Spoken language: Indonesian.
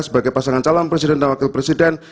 sebagai pasangan calon presiden dan wakil presiden